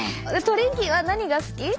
トリンキーは何が好き？